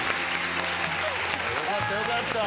よかったよかった！